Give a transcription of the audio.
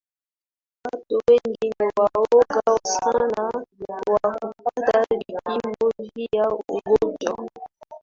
Watu wengi ni waoga sana wa kupata vipimo vya ugonjwa